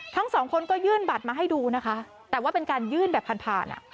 ทั้งสองคนก็ยื่นบัตรมาให้ดูนะคะแต่ว่าเป็นการยื่นแบบผ่านผ่านอ่ะ